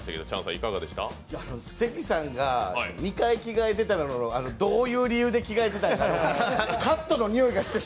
関さんが２回着替えていたのはどういう理由で着替えてたんかなって。